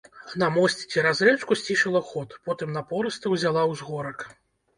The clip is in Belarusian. На мосце цераз рэчку сцішыла ход, потым напорыста ўзяла ўзгорак.